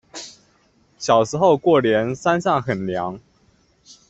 小时候过年山上很凉